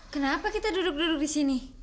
kenapa kita duduk duduk di sini